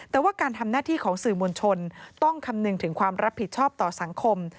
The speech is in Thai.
แต่ว่าการทำหน้าที่ของสื่อมวลชนต้องคำนึงถึงความรับผิดชอบต่อสังคม